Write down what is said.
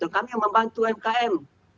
kami membantu umkm